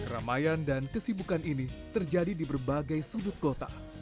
keramaian dan kesibukan ini terjadi di berbagai sudut kota